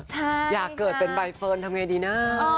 ใช่นะอยากเกิดเป็นใบเฟิร์นทำอย่างไรดีนะอ๋อ